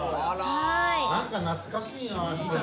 何か懐かしいな。